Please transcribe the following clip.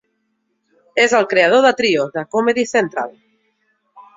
És el creador de "Trio", de Comedy Central.